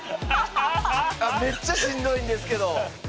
あめっちゃしんどいんですけど。